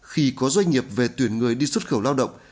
khi có doanh nghiệp về tuyển người đi xuất khẩu lao động